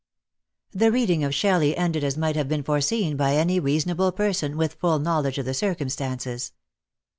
The reading of Shelley ended as might have been foreseen by any reasonable person with full knowledge of the circumstances.